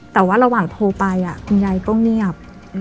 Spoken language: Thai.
แต่ว่าระหว่างโทรไปคุณยายก็เงียบ